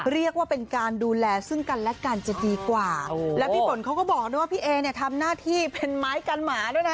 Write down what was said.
เรียกว่าเป็นการดูแลซึ่งกันและกันจะดีกว่าแล้วพี่ฝนเขาก็บอกด้วยว่าพี่เอเนี่ยทำหน้าที่เป็นไม้กันหมาด้วยนะ